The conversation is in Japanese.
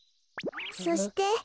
そして。